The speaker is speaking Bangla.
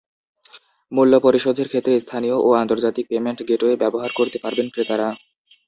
মূল্য পরিশোধের ক্ষেত্রে স্থানীয় ও আন্তর্জাতিক পেমেন্ট গেটওয়ে ব্যবহার করতে পারবেন ক্রেতারা।